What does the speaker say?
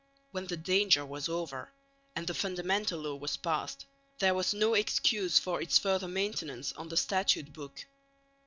When the danger was over, and the Fundamental Law was passed, there was no excuse for its further maintenance on the Statute book.